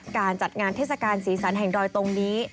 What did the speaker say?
การจัดงานเทศกาลสีสันแห่งดอยตรงนี้